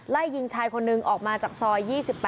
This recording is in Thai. ไล่ยิงชายคนหนึ่งออกมาจากซอย๒๘